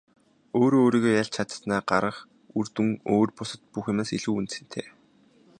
Өөрөө өөрийгөө ялж чадсанаа гарах үр дүн өөр бусад бүх юмнаас илүү үнэтэй.